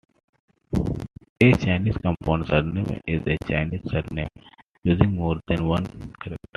A Chinese compound surname is a Chinese surname using more than one character.